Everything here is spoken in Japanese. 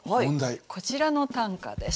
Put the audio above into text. こちらの短歌です。